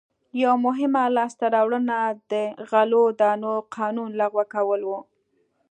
یوه مهمه لاسته راوړنه د غلو دانو قانون لغوه کول و.